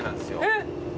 えっ？